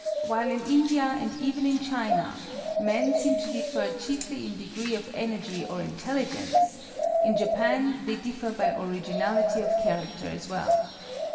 While in India and even in China men seem to differ chiefly in degree of energy or intelligence, in Japan they differ by originality of character as well.